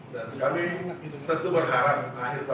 dan kami tentu berharap akhir tahun ini bisa